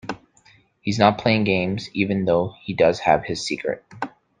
He's not playing games, even though he does have his secret.